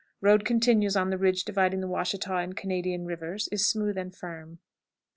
Road continues on the ridge dividing the Washita and Canadian rivers; is smooth and firm. 17 3/4.